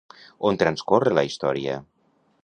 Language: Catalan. On transcorre la història?